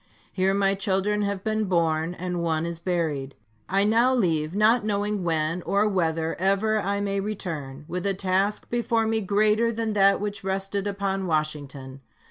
Here my children have been born, and one is buried. I now leave, not knowing when or whether ever I may return, with a task before me greater than that which rested upon Washington.